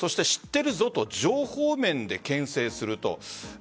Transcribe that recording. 知っているぞと情報面でけん制すると。